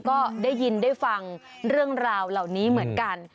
ก็ได้ยินได้ฟังเรื่องราวเหล่านี้เหมือนกัน